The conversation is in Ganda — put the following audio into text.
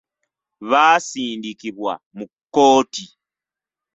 Baasindikibwa mu kkooti.